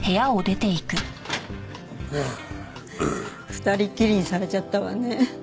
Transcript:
二人っきりにされちゃったわね。